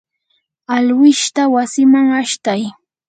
alwishta wasiman ashtay.